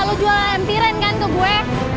lo jualan ayam tiren kan ke gue